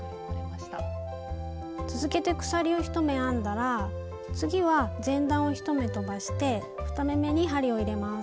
続けて鎖を１目編んだら次は前段を１目飛ばして２目めに針を入れます。